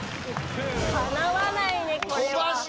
かなわないねこれは。